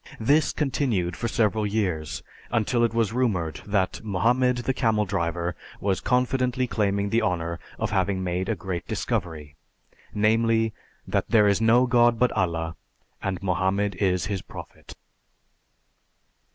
This continued for several years until it was rumored that Mohammed, the camel driver, was confidently claiming the honor of having made a great discovery; namely, that "There is no God but Allah, and Mohammed is His Prophet."